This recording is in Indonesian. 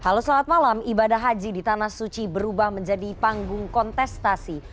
halo selamat malam ibadah haji di tanah suci berubah menjadi panggung kontestasi